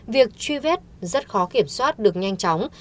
việc truy vết rất khó kiểm soát được nhanh chóng